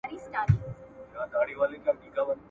زه اجازه لرم چي لوبه وکړم؟